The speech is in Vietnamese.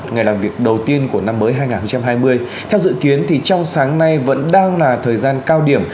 ngày làm việc đầu tiên của năm mới hai nghìn hai mươi theo dự kiến thì trong sáng nay vẫn đang là thời gian cao điểm